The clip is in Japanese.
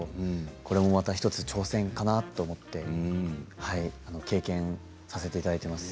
これもまた１つ挑戦かなと思って経験させていただいています。